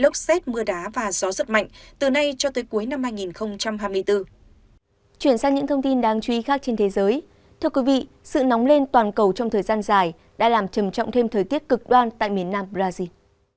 thưa quý vị sự nóng lên toàn cầu trong thời gian dài đã làm trầm trọng thêm thời tiết cực đoan tại miền nam brazil